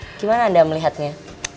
bagaimana anda melihatnya